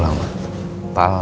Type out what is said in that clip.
terima kasih pak